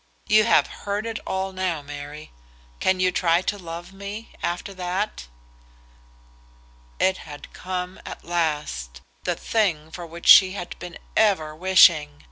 You have heard it all now, Mary. Can you try to love me, after that?" It had come at last, the thing for which she had been ever wishing.